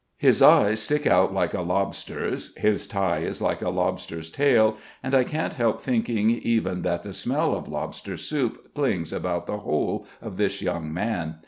His eyes stick out like a lobster's, his tie is like a lobster's tail, and I can't help thinking even that the smell of lobster soup clings about the whole of this young man.